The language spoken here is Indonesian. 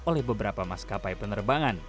oleh beberapa maskapai penerbangan